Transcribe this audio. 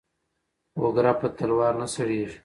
او گره په تلوار نه سړېږي.